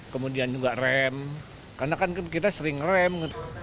kemudian juga rem karena kan kita sering rem